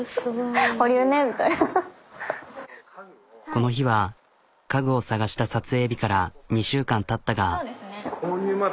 この日は家具を探した撮影日から２週間たったが。